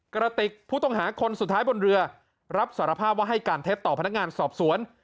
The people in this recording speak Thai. กระติกผู้ต้องหาคนสุดท้ายบนเรือรับสารภาพว่าให้การเท็จต่อพนักงานสอบสวน